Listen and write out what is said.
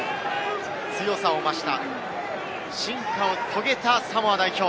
強さを増した、進化を遂げたサモア代表。